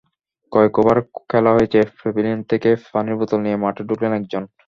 কয়েক ওভার খেলা হয়েছে, প্যাভিলিয়ন থেকে পানির বোতল নিয়ে মাঠে ঢুকলেন একজন।